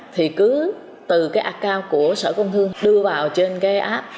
thì cứ từ cái acca của sở công thương đưa vào trên cái app